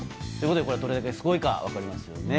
これがどれだけすごいか分かりますよね。